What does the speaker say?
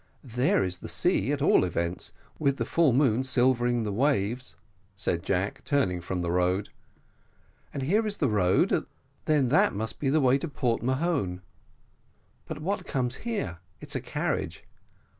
"There is the sea, at all events, with the full moon silvering the waves," said Jack, turning from the road, "and here is the road; then that must be the way to Port Mahon. But what comes here? it's a carriage.